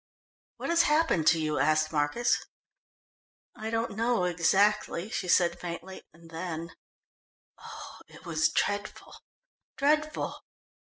"What has happened to you?" asked Marcus. "I don't know exactly," she said faintly. And then: "Oh, it was dreadful, dreadful!"